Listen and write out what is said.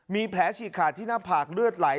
มีแผลฉีกขาดที่หน้าผากเลือดไหล